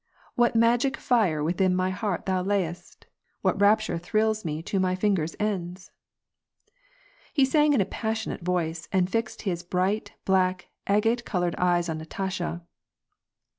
What magic fire within my heart thou layest ? What rapture thrills me to my fingers' ends ?" He sang in a passionate voice, and fixed his bright, black, agate colored eyes on Natasha.